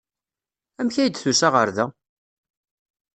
Amek ay d-tusa ɣer da?